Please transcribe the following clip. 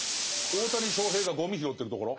大谷翔平がゴミ拾ってるところ？